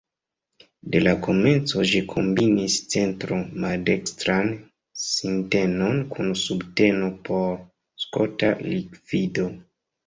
De la komenco ĝi kombinis centro-maldekstran sintenon kun subteno por skota likvido.